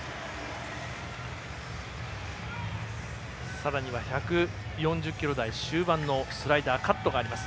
さらには１４０キロ台終盤のスライダー、カットがあります。